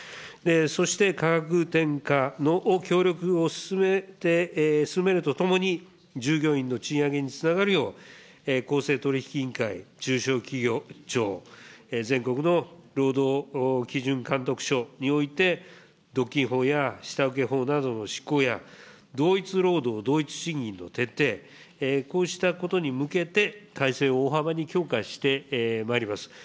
そして価格転嫁のきょうりょくを進めるとともに、従業員の賃上げにつながるよう、公正取引委員会、中小企業庁、全国の労働基準監督署において、独禁法や下請法などの施行や、同一労働同一賃金の徹底、こうしたことに向けて、体制を大幅に強化してまいります。